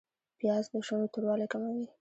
پیاز د شونډو توروالی کموي